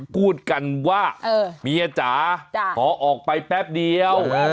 พูดกันว่าเมียจ๋าขอออกไปแป๊บเดียว